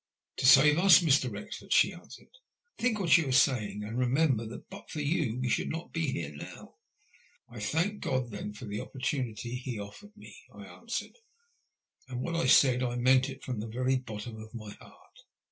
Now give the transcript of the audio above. To save us, Mr. Wrexford," she answered. *' Think what you are saying, and remember that but for you we should not be here now." I thank God, then, for the opportunity He gave me," I answered ; and what I said I meant from the very bottom of my heart.